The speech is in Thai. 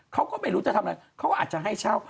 เขาก็ไม่รู้จะทำอะไรเขาก็อาจจะให้เช่า